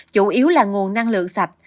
chủ yếu là nguồn năng lượng sạch